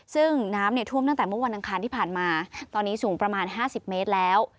ซึ่งน้ำเนี่ยท่วมตั้งแต่เมื่อวันอังคารที่ผ่านมาตอนนี้สูงประมาณ๕๐เมตรแล้ว